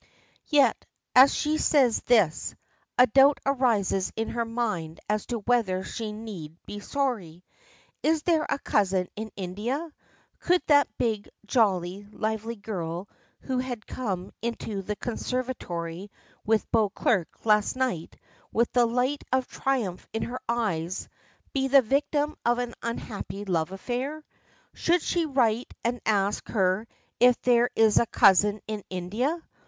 Yet as she says this, a doubt arises in her mind as to whether she need be sorry. Is there a cousin in India? Could that big, jolly, lively girl, who had come into the conservatory with Beauclerk last night, with the light of triumph in her eyes, be the victim of an unhappy love affair? Should she write and ask her if there is a cousin in India?